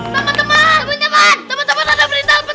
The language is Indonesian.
teman teman teman teman ada berita penting teman teman